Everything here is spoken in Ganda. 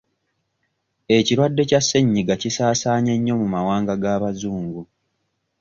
Ekirwadde kya ssenyiga kisaasaanye nnyo mu mawanga g'abazungu.